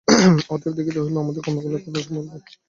অতএব দেখিতে হইবে, আমাদের কর্মগুলি একত্বসম্পাদক না বহুত্ববিধায়ক।